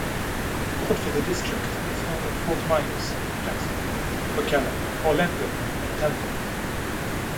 Court for the District is held at Fort Myers, Jacksonville, Ocala, Orlando, and Tampa.